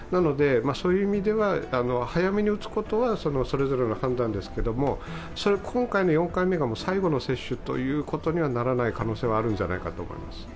そういう意味では、早めに打つことはそれぞれの判断ですけれども、今回の４回目が最後の接種ということにはならない可能性はあるんじゃないかと思います。